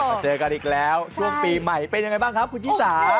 เจอกันอีกแล้วช่วงปีใหม่เป็นยังไงบ้างครับคุณชิสา